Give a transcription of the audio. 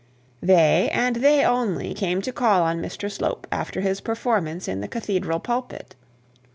They, and they only, came to call on Mr Slope after his performance in the cathedral pulpit.